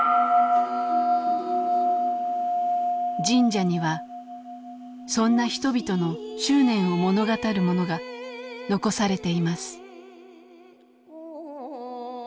神社にはそんな人々の執念を物語るものが残されています。